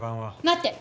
待って！